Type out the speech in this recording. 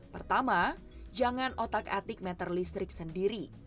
pertama jangan otak atik meter listrik sendiri